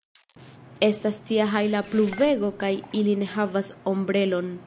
Estas tia hajla pluvego kaj ili ne havas ombrelon!